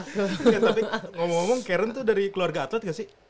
tapi ngomong ngomong karen itu dari keluarga atlet gak sih